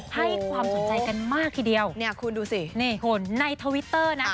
ให้ความสนใจกันมากทีเดียวเนี่ยคุณดูสินี่คุณในทวิตเตอร์นะ